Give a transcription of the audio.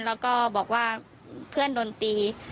แล้วก็บอกว่าเพื่อนโดนตี